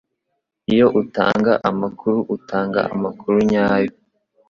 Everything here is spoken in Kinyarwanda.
Iyo utanga amakuru utanga amakuru nyayo